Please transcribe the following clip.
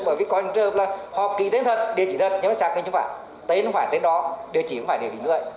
bởi vì họ ký tên thật địa chỉ thật nhưng mà xác minh chứ không phải tên không phải tên đó